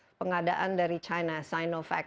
fokus ke pengadaan dari china sinovac